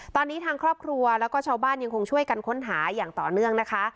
ตอนนี้ทางครอบครัวแล้วก็ชาวบ้านยังคงช่วยกันค้นหาอย่างต่อเนื่องนะคะ